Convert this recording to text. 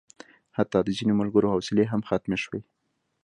حتی د ځینو ملګرو حوصلې هم ختمې شوې.